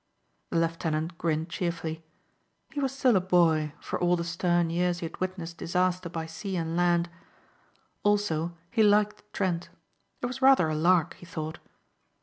The lieutenant grinned cheerfully. He was still a boy for all the stern years he had witnessed disaster by sea and land. Also he liked Trent. It was rather a lark, he thought.